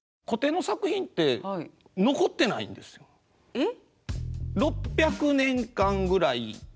えっ？